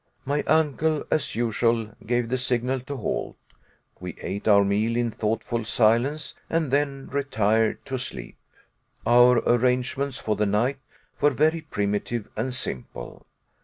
My uncle, as usual, gave the signal to halt. We ate our meal in thoughtful silence, and then retired to sleep. Our arrangements for the night were very primitive and simple.